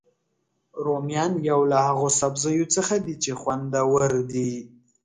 رومیان یو له هغوسبزیو څخه دي چې خوندور دي